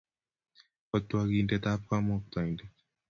Otwogindetab Kamuktaindet.